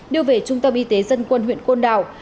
đưa về trung tâm y tế dân quân huyện quân đào